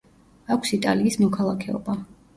აქვს იტალიის მოქალაქეობა.